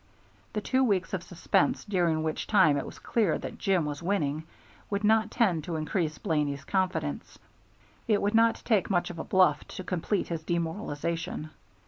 The two weeks of suspense, during which time it was clear that Jim was winning, would not tend to increase Blaney's confidence. It would not take much of a bluff to complete his demoralization.